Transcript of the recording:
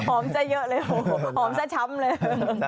จะเยอะเลยหอมซะช้ำเลย